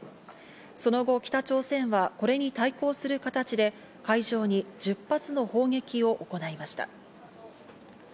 その後、北朝鮮はこれに対抗する形で海上に１０発の砲撃を行いました。